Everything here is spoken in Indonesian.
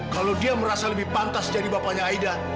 kalau dia merasa lebih pantas jadi bapaknya aida